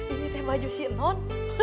ini teh baju si non